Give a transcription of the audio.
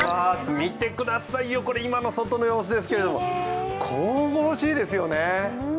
見てくださいよ、これ今の外の様子ですけれども、神々しいですよね。